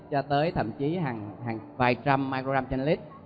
cho tới thậm chí hàng vài trăm mg trên lít